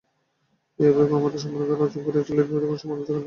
এই উভয় ক্ষমতা সমভাবে অর্জন করিয়া চলিলে বিপদের কোন সম্ভাবনা থাকে না।